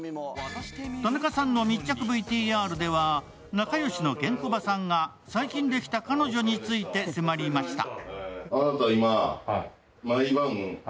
田中さんの密着ＶＴＲでは仲良しのケンコバさんが最近できた彼女について迫りました。